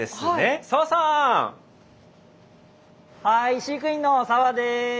はい飼育員の澤です。